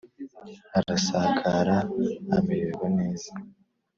arasakara, amererwa neza.